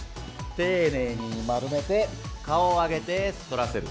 丁寧に丸めて顔を上げて反らせる。